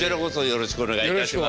よろしくお願いします。